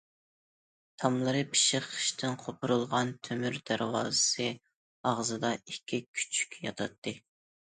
تاملىرى پىششىق خىشتىن قوپۇرۇلغان، تۆمۈر دەرۋازىسى ئاغزىدا ئىككى كۈچۈك ياتاتتى.